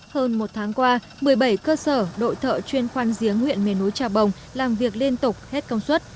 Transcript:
hơn một tháng qua một mươi bảy cơ sở đội thợ chuyên khoan giếng huyện miền núi trà bồng làm việc liên tục hết công suất